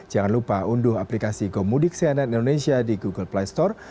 jangan lupa unduh aplikasi gomudik cnn indonesia di google play store